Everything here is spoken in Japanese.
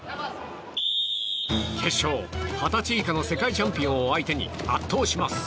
決勝、二十歳以下の世界チャンピオンを相手に圧倒します。